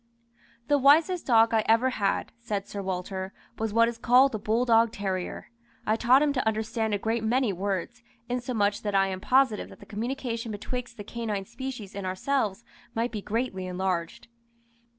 "The wisest dog I ever had," said Sir Walter, "was what is called the bulldog terrier. I taught him to understand a great many words, insomuch that I am positive that the communication betwixt the canine species and ourselves might be greatly enlarged.